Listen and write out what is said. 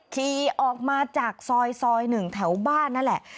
ขี่ออกมาจากซอย๑แถวบ้านนั่นแหละ